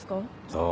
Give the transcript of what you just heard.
そう。